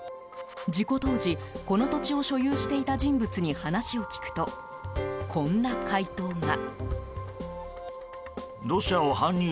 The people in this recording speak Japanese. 事故当時、この土地を所有していた人物に話を聞くとこんな回答が。